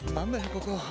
ここ。